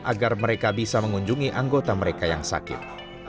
agar mereka bisa mengunjungi anggota mereka yang sakit